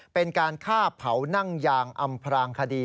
เป็นการฆ่าเผานั่งยางอำพรางคดี